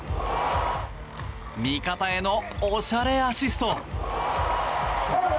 味方へのおしゃれアシスト！